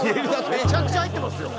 めちゃくちゃ入ってますよ！